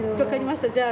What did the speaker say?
わかりました。